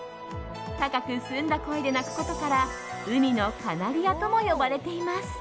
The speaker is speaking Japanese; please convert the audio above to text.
高く澄んだ声で鳴くことから海のカナリアとも呼ばれています。